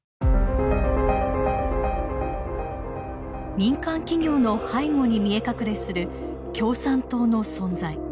民間企業の背後に見え隠れする共産党の存在。